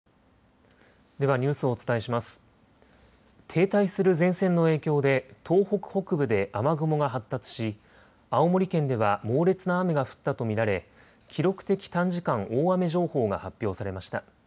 停滞する前線の影響で東北北部で雨雲が発達し青森県では猛烈な雨が降ったと見られ記録的短時間大雨情報が発表されました。